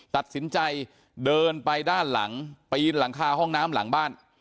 ตัดสินใจเดินไปด้านหลังปีนหลังคาห้องน้ำหลังบ้าน